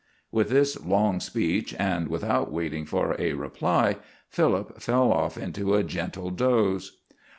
With this long speech, and without waiting for a reply, Philip fell off into a gentle doze.